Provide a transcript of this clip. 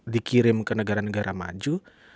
dikirim ke negara negara maju